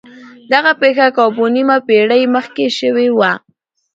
دغه پېښه کابو نيمه پېړۍ مخکې شوې وه.